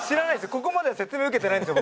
ここまでは説明受けてないんですよ